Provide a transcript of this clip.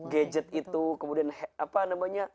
gadget itu kemudian apa namanya